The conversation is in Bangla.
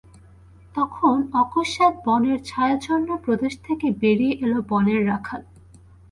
তখন অকস্মাৎ বনের ছায়াচ্ছন্ন প্রদেশ থেকে বেরিয়ে এল বনের রাখাল।